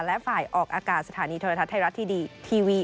และฝ่ายออกอากาศสถานีโทรทัศน์ไทยรัฐทีวีทีวี